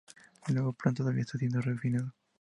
El nuevo plan todavía está siendo refinado.